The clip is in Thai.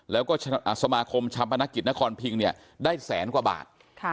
แล้วก็สมาคมชาปนกิจนครพิงเนี่ยได้แสนกว่าบาท